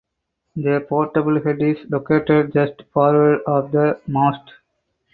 The portable head is located just forward of the mast.